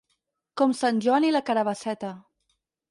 Com sant Joan i la carabasseta.